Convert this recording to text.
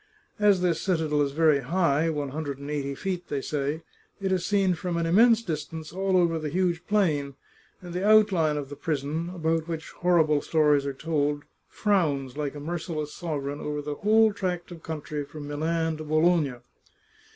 As this citadel is very high — one hundred and eighty feet, they say — it is seen from an immense dis tance all over the huge plain, and the outline of the prison, about which horrible stories are told, frowns like a merciless sovereign over the whole tract of country from Milan to Bologna."